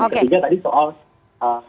dan ketiga tadi soal